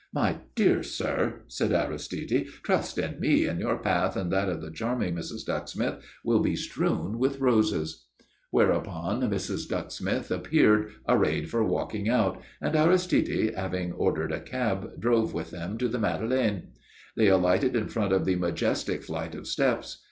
"My dear sir," said Aristide, "trust in me, and your path and that of the charming Mrs. Ducksmith will be strewn with roses." Whereupon Mrs. Ducksmith appeared, arrayed for walking out, and Aristide, having ordered a cab, drove with them to the Madeleine. They alighted in front of the majestic flight of steps.